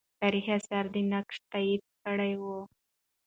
تاریخي آثار دا نقش تایید کړی وو.